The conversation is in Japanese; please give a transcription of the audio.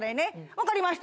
わかりました。